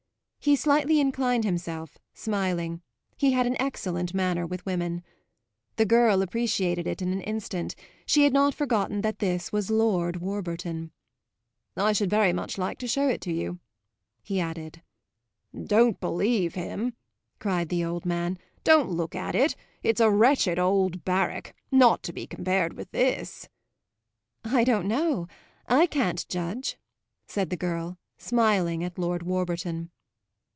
He slightly inclined himself, smiling; he had an excellent manner with women. The girl appreciated it in an instant; she had not forgotten that this was Lord Warburton. "I should like very much to show it to you," he added. "Don't believe him," cried the old man; "don't look at it! It's a wretched old barrack not to be compared with this." "I don't know I can't judge," said the girl, smiling at Lord Warburton.